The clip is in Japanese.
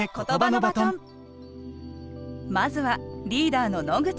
まずはリーダーの野口。